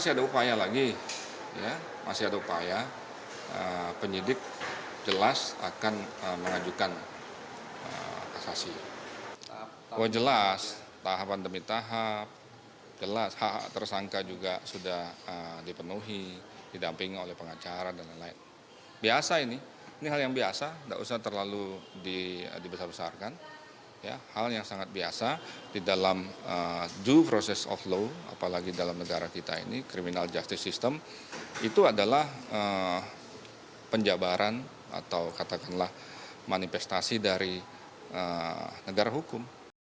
hal yang sangat biasa tidak usah terlalu dibesarkan hal yang sangat biasa di dalam due process of law apalagi dalam negara kita ini criminal justice system itu adalah penjabaran atau katakanlah manifestasi dari negara hukum